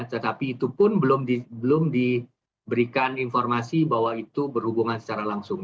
tetapi itu pun belum diberikan informasi bahwa itu berhubungan secara langsung